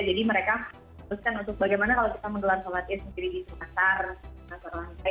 jadi mereka terus kan untuk bagaimana kalau kita mengelan shalatin sendiri di sekitar lantai